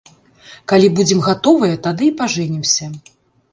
Калі будзем гатовыя, тады і пажэнімся.